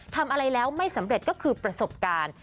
ทำอะไรแล้วไม่สำเร็จก็คือประสบการณ์